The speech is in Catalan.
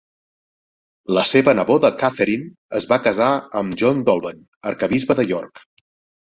La seva neboda, Catherine, es va casar amb John Dolben, arquebisbe de York.